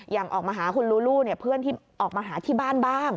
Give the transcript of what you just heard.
ออกมาหาคุณลูลูเพื่อนที่ออกมาหาที่บ้านบ้าง